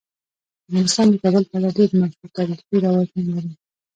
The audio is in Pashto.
افغانستان د کابل په اړه ډیر مشهور تاریخی روایتونه لري.